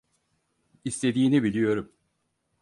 İstediğini biliyorum.